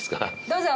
どうぞ。